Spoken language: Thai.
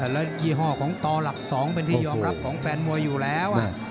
ละยี่ห้อของต่อหลัก๒เป็นที่ยอมรับของแฟนมวยอยู่แล้ว